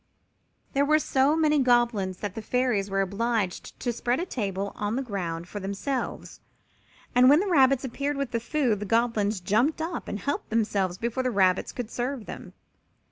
There were so many Goblins that the Fairies were obliged to spread a table on the ground for themselves, and when the rabbits appeared with the food the Goblins jumped up and helped themselves before the rabbits could serve them.